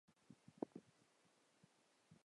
万炜在大兴县东建曲水园。